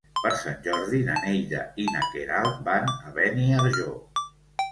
Per Sant Jordi na Neida i na Queralt van a Beniarjó.